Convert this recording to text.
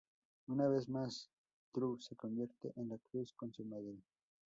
Una vez más, Tru se convierte en la cruz con su madre.